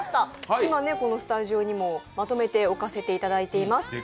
今、このスタジオにもまとめて置かせてもらってます。